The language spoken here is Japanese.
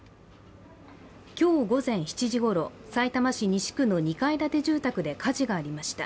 今日午前７時ごろ、さいたま市西区の２階建て住宅で火事がありました。